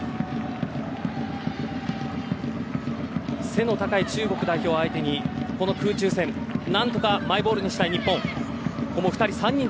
背の高い中国代表相手に空中戦何とかマイボールにしたい日本。